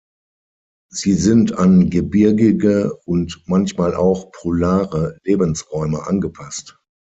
Sie sind an gebirgige und manchmal auch polare Lebensräume angepasst.